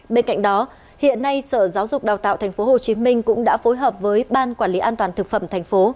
bên cạnh đó hiện nay sở giáo dục đào tạo tp hcm cũng đã phối hợp với ban quản lý an toàn thực phẩm thành phố